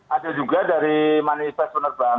ada juga dari manifest penerbangan